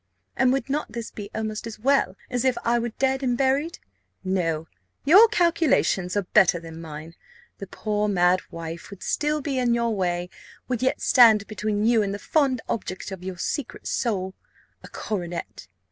And would not this be almost as well as if I were dead and buried? No; your calculations are better than mine. The poor mad wife would still be in your way, would yet stand between you and the fond object of your secret soul a coronet!"